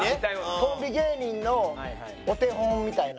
コンビ芸人のお手本みたいな。